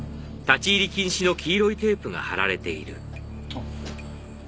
あっ。